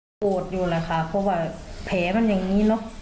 โกรธอยู่แหละค่ะเพราะว่าแผลมันอย่างนี้เนอะ